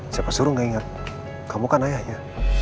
siapa suruh gak ingat kamu kan ayahnya